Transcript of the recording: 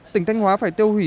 tỉnh thanh hóa phải tiêu hủy